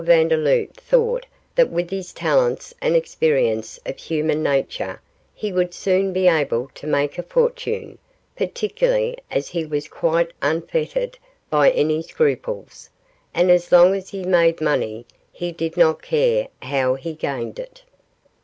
Vandeloup thought that with his talents and experience of human nature he would soon be able to make a fortune, particularly as he was quite unfettered by any scruples, and as long as he made money he did not care how he gained it.